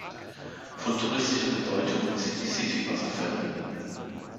Von touristischer Bedeutung sind die Sipi-Wasserfälle.